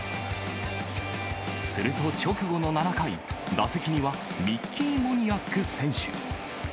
すると直後の７回、打席にはミッキー・モニアック選手。